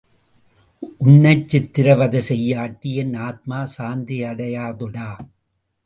உன்னை சித்ரவதைசெய்யாட்டி என் ஆத்மா சாந்தியடையாதுடா!